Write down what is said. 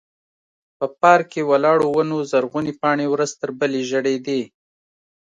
په پارک کې ولاړو ونو زرغونې پاڼې ورځ تر بلې ژړېدې.